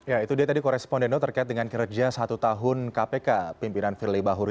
ya itu dia tadi koresponden terkait dengan kinerja satu tahun kpk pimpinan firly bahuri